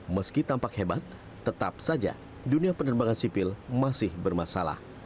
meski tampak hebat tetap saja dunia penerbangan sipil masih bermasalah